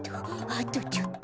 あとちょっと。